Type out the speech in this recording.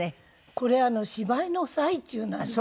これ芝居の最中なんですよ。